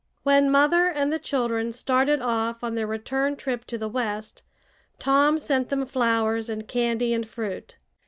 When mother and the children started off on their return trip to the West, Tom sent them flowers and candy and fruit.